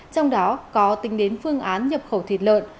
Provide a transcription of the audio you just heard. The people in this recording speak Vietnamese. trong đó có tính đến phương án nhập khẩu thịt lợn